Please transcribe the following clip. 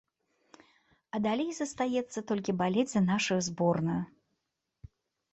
А далей застаецца толькі балець за нашу зборную.